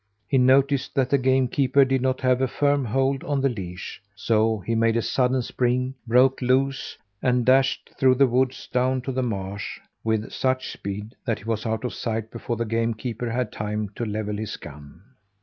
He noticed that the game keeper did not have a firm hold on the leash; so he made a sudden spring, broke loose, and dashed through the woods down to the marsh with such speed that he was out of sight before the game keeper had time to level his gun.